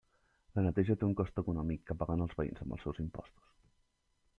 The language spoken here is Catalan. La neteja té un cost econòmic que paguen els veïns amb els seus impostos.